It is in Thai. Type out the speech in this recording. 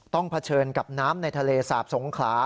เผชิญกับน้ำในทะเลสาบสงขลา